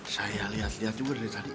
saya lihat lihat juga dari tadi